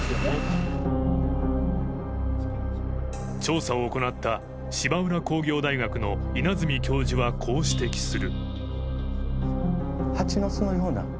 調査を行った芝浦工業大学の稲積教授は、こう指摘する。